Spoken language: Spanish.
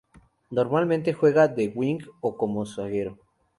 Normalmente juega de Wing o como zaguero.